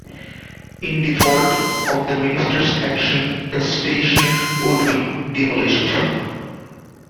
In default of the Minister's action, the station would be demolished.